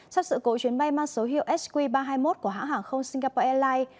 sau sự cố chuyến bay mang số hiệu sq ba trăm hai mươi một của hãng hàng không singapore airlines